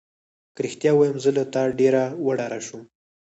که رښتیا ووایم زه له تا ډېره وډاره شوم.